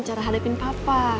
cara hadapin papa